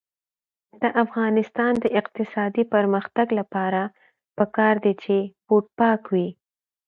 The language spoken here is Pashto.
د افغانستان د اقتصادي پرمختګ لپاره پکار ده چې بوټ پاک وي.